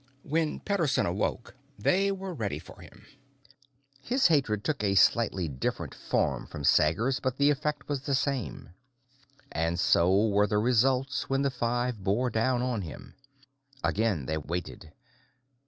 When Pederson awoke, they were ready for him. His hatred took a slightly different form from Sager's, but the effect was the same. And so were the results when the five bore down on him. Again they waited.